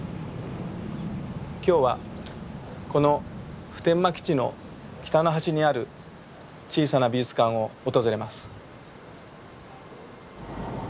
今日はこの普天間基地の北の端にある小さな美術館を訪れます。